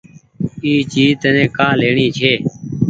اي چيز تني ڪآ ليڻي ڇي۔